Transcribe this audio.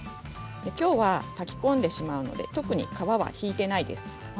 きょうは炊き込んでしまうので特に皮はひいていません。